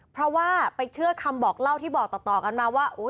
เพราะว่าไปเชื่อคำบอกเล่าที่บอกต่อกันมาว่า